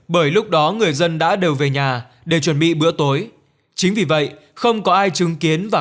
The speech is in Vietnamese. bởi lúc đó người dân đã đều về nhà để chuẩn bị bữa tối chính vì vậy không có ai chứng kiến và